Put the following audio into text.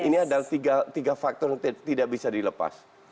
ini adalah tiga faktor yang tidak bisa dilepas